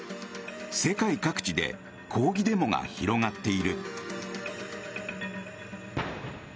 世界各地で抗議デモが広がっている。